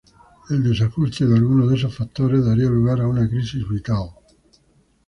El desajuste de alguno de esos factores daría lugar a una crisis vital.